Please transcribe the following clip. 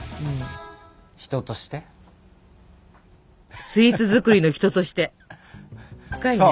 深いねスイーツ作りの人として。